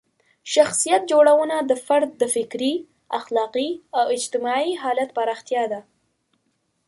شخصیت جوړونه د فرد د فکري، اخلاقي او اجتماعي حالت پراختیا ده.